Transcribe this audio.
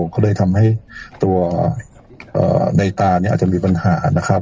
ก็เลยทำให้ตัวในตาเนี่ยอาจจะมีปัญหานะครับ